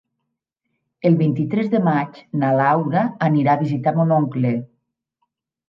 El vint-i-tres de maig na Laura anirà a visitar mon oncle.